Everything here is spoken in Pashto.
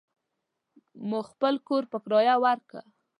مو خپل کور په کريه وارکه.